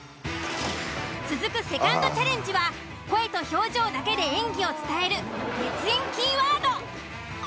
続くセカンドチャレンジは声と表情だけで演技を伝える熱演キーワード。